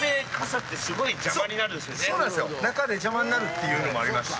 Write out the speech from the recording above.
中で邪魔になるっていうのもありますし。